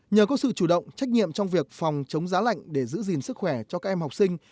nhờ có sự chủ động trách nhiệm trong việc phòng chống giá lạnh để giữ gìn sức khỏe cho các em học sinh